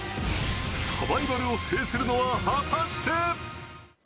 サバイバルを制するのは果たして？